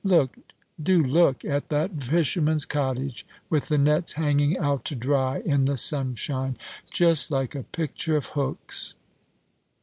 Look, do look, at that fisherman's cottage, with the nets hanging out to dry in the sunshine; just like a picture of Hook's!"